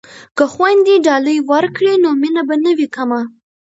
که خویندې ډالۍ ورکړي نو مینه به نه وي کمه.